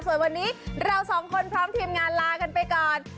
ส่วนวันนี้เราสองคนพร้อมทีมงานลากันไปก่อน